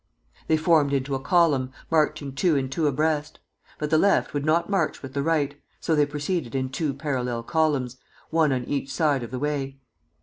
They formed into a column, marching two and two abreast; but the Left would not march with the Right, so they proceeded in two parallel columns, one on each side of the way.